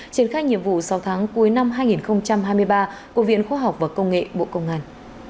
triển khai nhiệm vụ sáu tháng cuối năm hai nghìn hai mươi ba của viện khoa học và công nghệ bộ công an